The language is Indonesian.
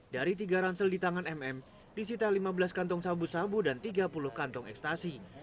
dari tiga ransel di tangan mm disita lima belas kantong sabu sabu dan tiga puluh kantong ekstasi